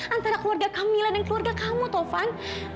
antara keluarga kamila dan keluarga kamu tovan